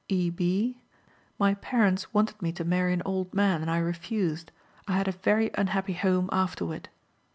E. B.: "My parents wanted me to marry an old man, and I refused. I had a very unhappy home afterward."